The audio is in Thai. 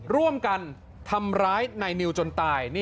ร่วมกันทำร้ายนายนิวจนตาย